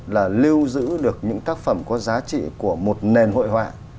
là lưu giữ được những tác phẩm có giá trị của một nền hội họa